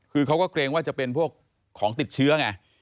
คือเขาก็เกรงว่าจะเป็นพวกของติดเชื้อไง